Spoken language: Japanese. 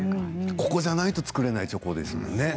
ここじゃないと作れないチョコレートですね。